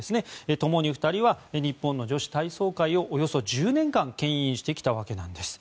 ともに２人は日本女子体操界を１０年間けん引してきたということです。